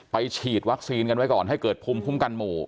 ฉีดวัคซีนกันไว้ก่อนให้เกิดภูมิคุ้มกันหมู่